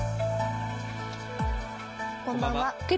こんばんは。